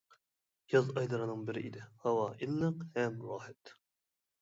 ياز ئايلىرىنىڭ بىرى ئىدى، ھاۋا ئىللىق ھەم راھەت.